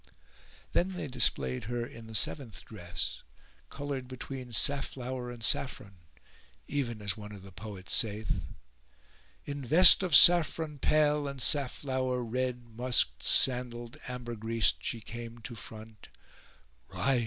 Then they displayed her in the seventh dress, coloured between safflower [FN#416] and saffron, even as one of the poets saith:— In vest of saffron pale and safflower red * Musk'd, sandal'd ambergris'd, she came to front: "Rise!"